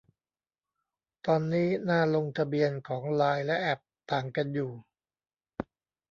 ตอนนี้หน้าลงทะเบียนของไลน์และแอป ต่างกันอยู่